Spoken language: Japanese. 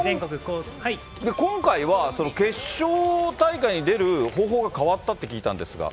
今回は決勝大会に出る方法が変わったって聞いたんですが。